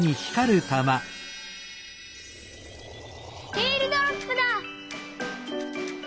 エールドロップだ！